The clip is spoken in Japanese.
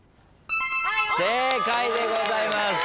正解でございます。